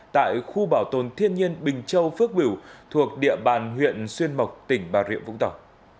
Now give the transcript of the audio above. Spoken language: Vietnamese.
tại khu bảo tồn thiên nhiên bình châu phước biểu thuộc địa bàn huyện xuyên mộc tỉnh bà rịa vũng tàu